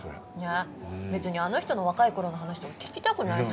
別にあの人の若い頃の話とか聞きたくないよね。